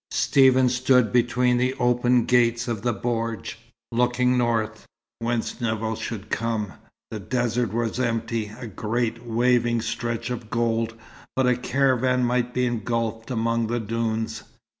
Stephen stood between the open gates of the bordj, looking north, whence Nevill should come. The desert was empty, a great, waving stretch of gold, but a caravan might be engulfed among the dunes.